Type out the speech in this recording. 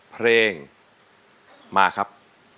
เพลงมาครับ